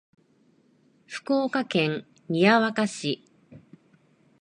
福岡県宮若市